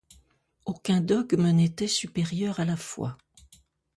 Aucun dogme n'était supérieur à la foi.